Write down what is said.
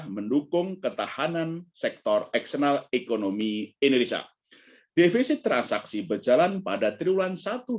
mendukung ketahanan sektor eksternal ekonomi indonesia defisit transaksi berjalan pada triwulan